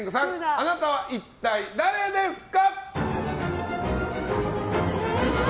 あなたは一体誰ですか？